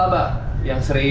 ada dua tips yang dapat